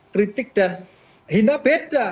kritik dan hina beda